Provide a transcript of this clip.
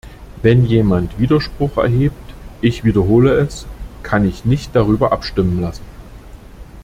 Wenn jemand Widerspruch erhebt, ich wiederhole es, kann ich nicht darüber abstimmen lassen.